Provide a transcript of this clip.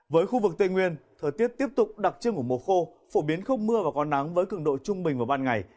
với khu vực tây nguyên thời tiết tiếp tục đặc trưng của mùa khô phổ biến không mưa và có nắng với cứng độ trung bình vào ban ngày